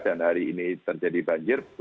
dan hari ini terjadi banjir